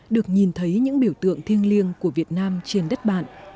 được nhìn thấy những biểu tượng thiêng liêng của việt nam trên đất bạn